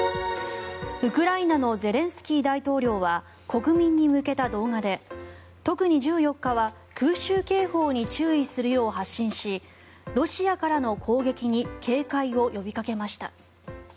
ウクライナのゼレンスキー大統領は国民に向けた動画で特に１４日は空襲警報に注意するよう発信しロシアからの攻撃に警戒を呼びかけました。